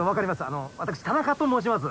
あの私田中と申します。